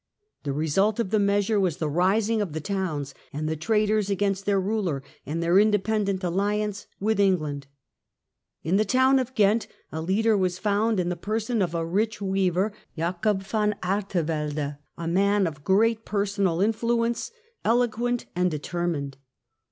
The re sult of the measure was the rising of the towns and the traders against their ruler, and their independent alliance with England. In the town of Ghent a leader was found in the person of a rich weaver, Jacob van Artevelde, a Jacob van man of great personal influence, eloquent and deter mined.